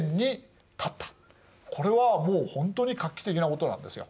これはもうほんとに画期的なことなんですよ。